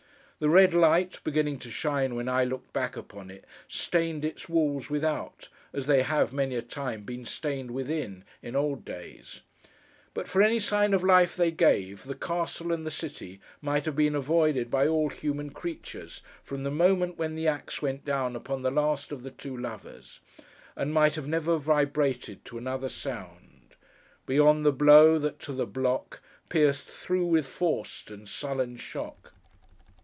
The red light, beginning to shine when I looked back upon it, stained its walls without, as they have, many a time, been stained within, in old days; but for any sign of life they gave, the castle and the city might have been avoided by all human creatures, from the moment when the axe went down upon the last of the two lovers: and might have never vibrated to another sound Beyond the blow that to the block Pierced through with forced and sullen shock.